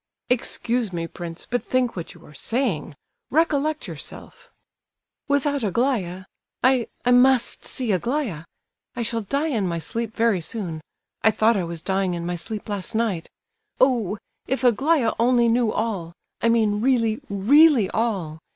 "Excuse me, prince, but think what you are saying! Recollect yourself!" "Without Aglaya—I—I must see Aglaya!—I shall die in my sleep very soon—I thought I was dying in my sleep last night. Oh! if Aglaya only knew all—I mean really, really all!